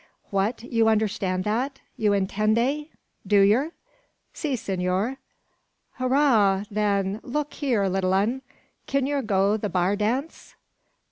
"What! you understand that? You intende, do yer?" "Si, senor!" "Hooraw, then! Look hyar, little 'un, kin yer go the b'ar dance?"